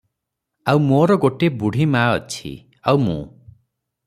ଆଉ ମୋର ଗୋଟିଏ ବୁଢ଼ୀ ମା ଅଛି, ଆଉ ମୁଁ ।